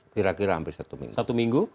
kira kira hampir satu minggu